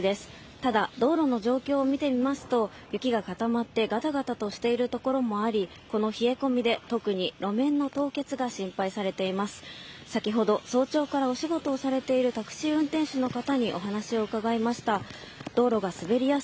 ただ道路の状況を見てみますと雪が固まってがたがたとしているところもありこの冷え込みで特に路面の凍結が心配されています。